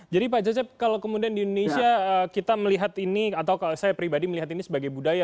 jadi pak cecep kalau kemudian di indonesia kita melihat ini atau saya pribadi melihat ini sebagai budaya